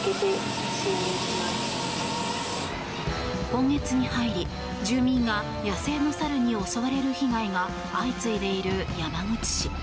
今月に入り、住民が野生の猿に襲われる被害が相次いでいる山口市。